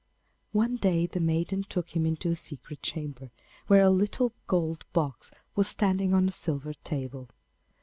One day the maiden took him into a secret chamber, where a little gold box was standing on a silver table.